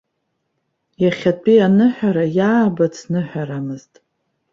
Иахьатәи аныҳәара иаабац ныҳәарамызт.